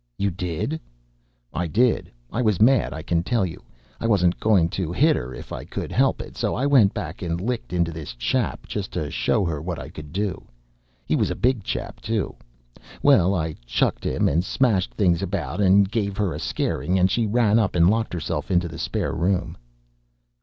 "You did?" "I did. I was mad, I can tell you. I wasn't going to 'it 'er if I could 'elp it, so I went back and licked into this chap, just to show 'er what I could do. 'E was a big chap, too. Well, I chucked him, and smashed things about, and gave 'er a scaring, and she ran up and locked 'erself into the spare room."